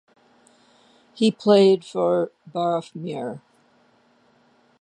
He played for Boroughmuir.